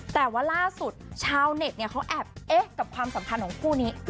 แต่ว่าล่าสุดชาวเน็ตเขาแอบเอ๊ะกับความสัมพันธ์ของคู่นี้